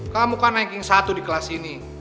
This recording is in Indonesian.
kamu kan naikin satu di kelas ini